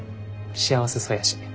幸せそうやし。